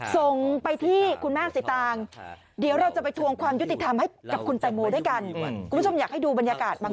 ส่งไปที่คุณแม่ศรีตางค์เดี๋ยวเราจะไปทวงความยุติธรรมให้คุณแต่งโมด้วยกัน